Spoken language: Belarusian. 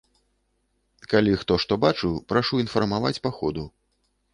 Калі хто што бачыў, прашу інфармаваць па ходу.